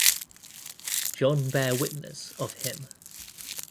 John bare witness of Him.